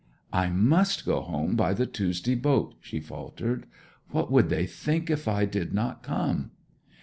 'I must go home by the Tuesday boat,' she faltered. 'What would they think if I did not come?'